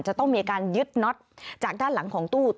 จะต้องมีการยึดน็อตจากด้านหลังของตู้